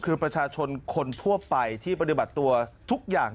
คือประชาชนคนทั่วไปที่ปฏิบัติตัวทุกอย่าง